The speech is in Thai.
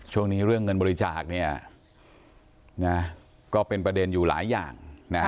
ช่วงนี้เรื่องเงินบริจาคเนี่ยนะก็เป็นประเด็นอยู่หลายอย่าง